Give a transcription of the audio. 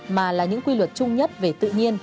mà là những quy luật chung nhất về tự nhiên